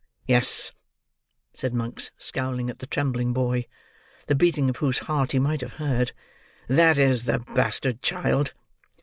"Yes," said Monks, scowling at the trembling boy: the beating of whose heart he might have heard. "That is the bastard child."